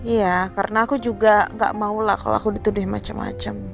ya karena aku juga enggak maulah kalau aku dituduh macam macam